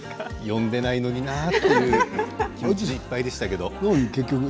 呼んでいないのになという気持ちでいっぱいでした。